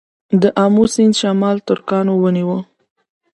د امو سیند شمال ترکانو ونیو